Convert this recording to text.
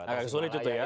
agak sulit itu ya